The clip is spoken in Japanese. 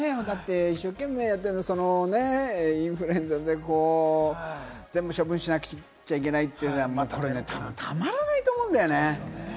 一生懸命やっててね、インフルエンザで全部処分しなくちゃいけないというね、これ、たまらないと思うんだよね。